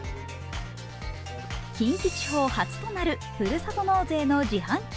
近畿地方初となるふるさと納税の自販機。